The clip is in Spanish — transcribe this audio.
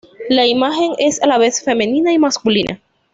La imagen es a la vez femenina y masculina.